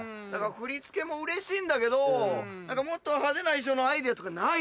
振り付けもうれしいんだけどもっと派手な衣装のアイデアとかない？